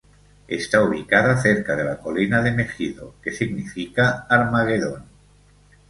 Está ubicada cerca de la colina de Megido, que significa Armagedón.